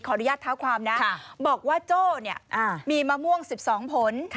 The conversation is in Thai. อนุญาตเท้าความนะบอกว่าโจ้มีมะม่วง๑๒ผล